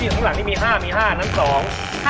พี่ทั้งหลังนี่มี๕มี๕นั้น๒